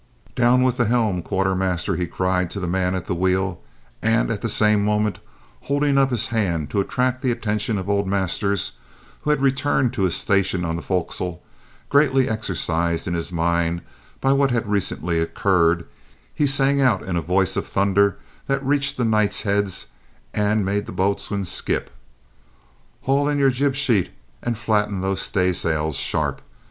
"Down with the helm, quartermaster!" he cried to the man at the wheel, and, at the same moment holding up his hand to attract the attention of old Masters, who had returned to his station on the fo'c's'le, greatly exercised in his mind by what had recently occurred, he sang out in a voice of thunder that reached the knightheads and made the boatswain skip: "Haul in your jib sheet and flatten those staysails sharp!